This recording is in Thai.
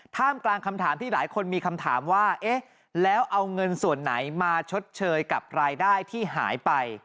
กลางคำถามที่หลายคนมีคำถามว่าเอ๊ะแล้วเอาเงินส่วนไหนมาชดเชยกับรายได้ที่หายไป